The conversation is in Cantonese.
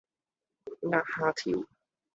呃蝦條